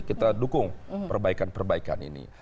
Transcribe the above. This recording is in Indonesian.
kita dukung perbaikan perbaikan ini